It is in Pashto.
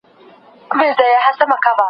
کمپيوټر پاڼې ترتيبوي.